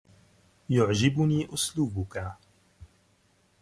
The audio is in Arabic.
يعجبني أسلوبك.